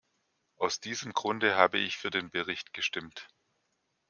Aus diesem Grunde habe ich für den Bericht gestimmt.